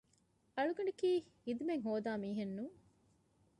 އަގު ކަނޑައަޅަނީ ޚިދުމަތް ހޯދާ މީހާއެއް ނޫން